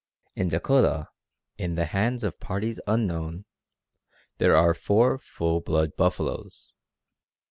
In Dakota, in the hands of parties unknown, there are four full blood buffaloes.